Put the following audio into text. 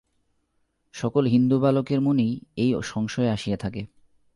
সকল হিন্দু বালকের মনেই এই সংশয় আসিয়া থাকে।